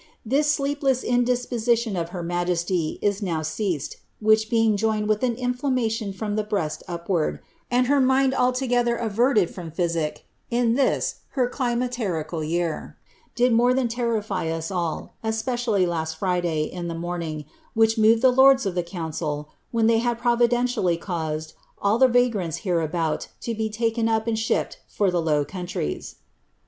This sleepless indisposition of her majesty is now ceased, which, being joined with an inflammation from the breast upward, and her mind altogether averted from physic in this her climacterical year, did more than terrify us all, especially the last Friday, in the morning, which moved the lords of the council, 'Nugae AntiqusBt, vol. ii., 216. TOL. TU. — 13 K 146 ELIZABETH. when ihey had providenlly cauaeil all the yagrants hereabool lo ht taken up and shipped for the Low Countries."